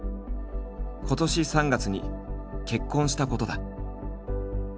今年３月に結婚したことだ。